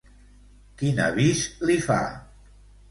Quin avís li fa?